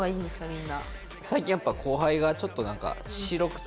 みんな。